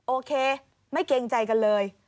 โอเคไม่เกรงใจกันเลย